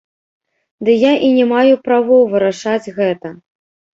Ды я і не маю правоў вырашаць гэта.